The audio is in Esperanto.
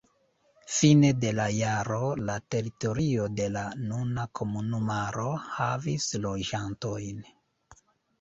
Fine de la jaro la teritorio de la nuna komunumaro havis loĝantojn.